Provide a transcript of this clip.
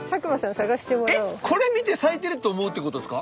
これ見て咲いてるって思うってことですか？